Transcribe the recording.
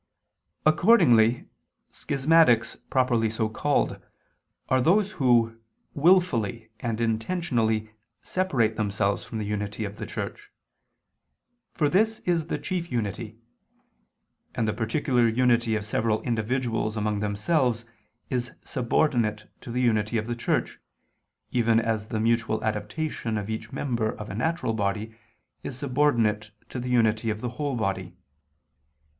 Accordingly schismatics properly so called are those who, wilfully and intentionally separate themselves from the unity of the Church; for this is the chief unity, and the particular unity of several individuals among themselves is subordinate to the unity of the Church, even as the mutual adaptation of each member of a natural body is subordinate to the unity of the whole body.